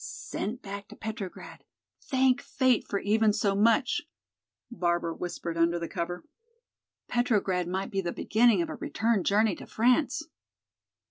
"Sent back to Petrograd! Thank fate for even so much!" Barbara whispered under the cover. "Petrograd might be the beginning of a return journey to France."